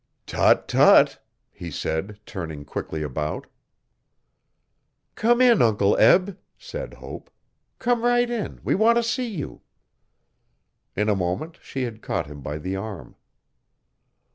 'Tut tut!' he said tuning quickly about 'Come in, Uncle Eb,' said Hope, 'come right in, we want to see you. In a moment she had caught him by the arm.